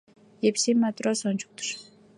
Епсей матрос ончыктыш.